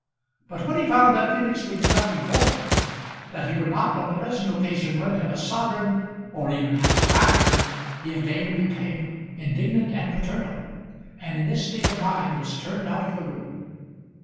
But when he found that Felix would do nothing for him; that he would not on the present occasion lend him a sovereign, or even half a crown, he again became indignant and paternal, and in this state of mind was turned out of the room.